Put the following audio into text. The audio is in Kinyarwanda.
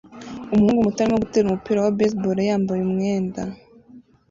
Umuhungu muto arimo gutera umupira wa baseball yambaye umwenda